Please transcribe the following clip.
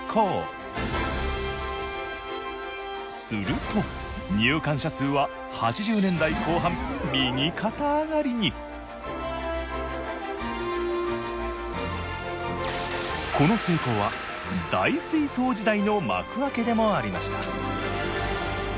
すると入館者数は８０年代後半右肩上がりにこの成功は大水槽時代の幕開けでもありました。